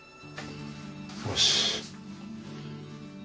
よし！